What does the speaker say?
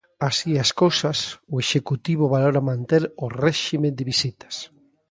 Así as cousas, o executivo valora manter o réxime de visitas.